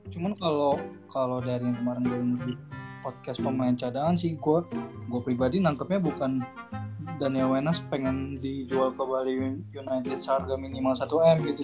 cuma kalo dari yang kemarin gue ngeliat podcast pemain cadangan sih gua pribadi nangkepnya bukan daniel wainas pengen dijual ke bali united seharga minimal satu r gitu